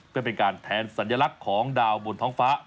เพื่อเป็นการแทนสัญลักษณ์ของดาวบนท้องฟ้า